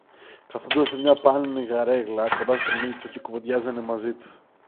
Κάθουνταν σε μια πάνινη καρέγλα κοντά στον Μήτσο και κουβέντιαζε μαζί του